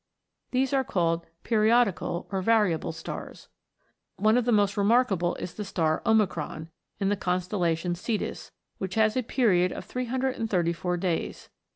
These are called periodical, or variable stars. One of the most remarkable is the star Omicron, in the constellation Cetus, which has a period of 334 days.